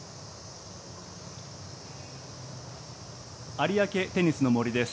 有明テニスの森です。